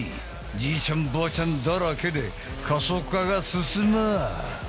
じいちゃんばあちゃんだらけで過疎化が進む。